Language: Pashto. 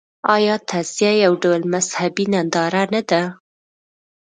آیا تعزیه یو ډول مذهبي ننداره نه ده؟